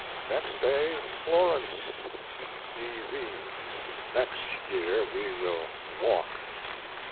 Next day, Florence, D. V. Next year we will walk.